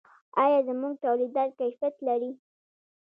آیا زموږ تولیدات کیفیت لري؟